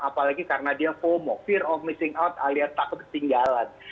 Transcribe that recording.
apalagi karena dia fomo fear of missing out alias takut ketinggalan